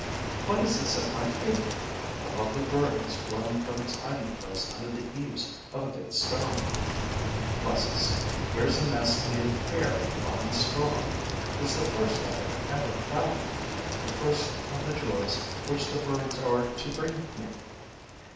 What is this at my feet? A lovely bird has flown from its hiding place under the eaves of a big stone. Bless us, here's a nest made of hair and fine straw! It's the first I have ever found, the first of the joys which the birds are to bring me.